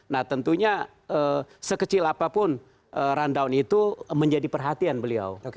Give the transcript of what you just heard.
nah tentunya sekecil apapun rundown itu menjadi perhatian beliau